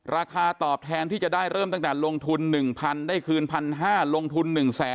ราคาตอบแทนที่จะได้เริ่มตั้งแต่ลงทุน๑๐๐๐ได้คืน๑๕๐๐ลงทุน๑แสน